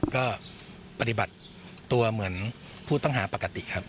ก็ปฏิบัติตัวเหมือนผู้ต้องหาปกติครับ